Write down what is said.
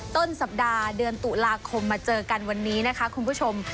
ต้นสัปดาห์เดือนตุลาคมมาเจอกันวันนี้นะคะคุณผู้ชม